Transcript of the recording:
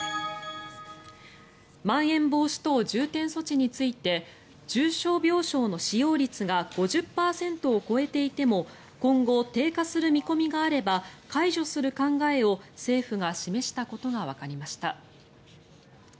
まん延防止等重点措置について重症病床の使用率が５０％を超えていても今後、低下する見込みがあれば解除する考えを政府が示したことがわかりました。